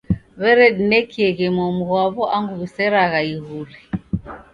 W'eredinekieghe momu ghwaw'o angu w'iseragha iguri.